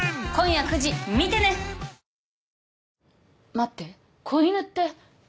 待って子犬って。